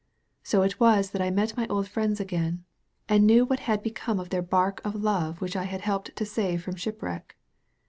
So it was that I met my old friends again, and knew what had be come of their barque of love which I had helped to save from shipwreck.